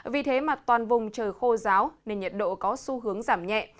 vì thế mà toàn vùng trời khô ráo nên nhiệt độ có xu hướng giảm nhẹ